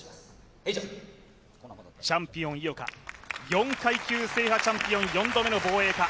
チャンピオン井岡、４階級制覇チャンピオン、４度目の防衛か。